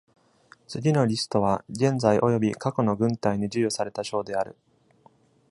次のリストは、現在および過去の軍隊に授与された賞である。